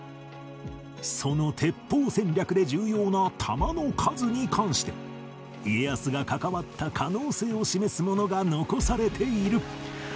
その鉄砲戦略で重要な弾の数に関して家康が関わった可能性を示すものが残されている